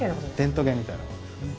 レントゲンみたいなものですかね。